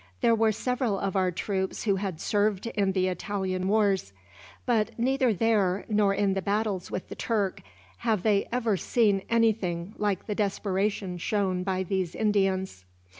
There were several of our troops who had served in the Italian wars; but neither there, nor in the battles with the Turk, have they ever seen anything like the desperation shown by these Indians."